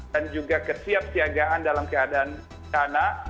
dan juga kesiapsiagaan dalam keadaan tanah